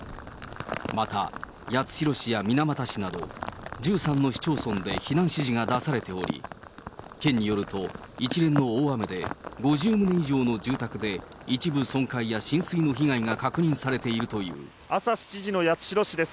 また、八代市や水俣市など１３の市町村で避難指示が出されており、県によると、一連の大雨で５０棟以上の住宅で一部損壊や浸水の被害が確認され朝７時の八代市です。